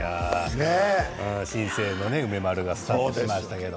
新生の梅丸がスタートしましたね。